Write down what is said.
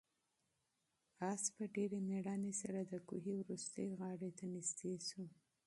آس په ډېرې مېړانې سره د کوهي وروستۍ غاړې ته نږدې شو.